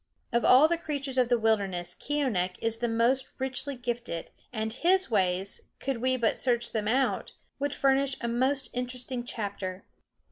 Of all the creatures of the wilderness Keeonekh is the most richly gifted, and his ways, could we but search them out, would furnish a most interesting chapter.